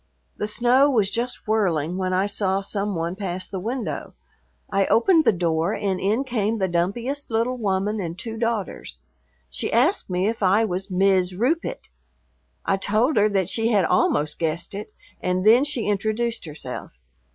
The snow was just whirling when I saw some one pass the window. I opened the door and in came the dumpiest little woman and two daughters. She asked me if I was "Mis' Rupit." I told her that she had almost guessed it, and then she introduced herself.